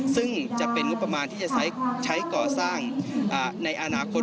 ซึ่งจะเป็นงบประมาณที่จะใช้ก่อสร้างในอนาคต